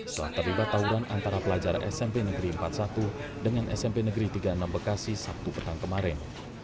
setelah terlibat tawuran antara pelajar smp negeri empat puluh satu dengan smp negeri tiga puluh enam bekasi sabtu petang kemarin